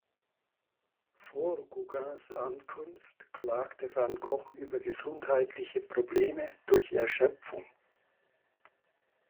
Vor Gauguins Ankunft klagte van Gogh über gesundheitliche Probleme durch Erschöpfung.